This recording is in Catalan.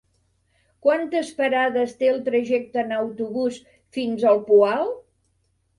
Quantes parades té el trajecte en autobús fins al Poal?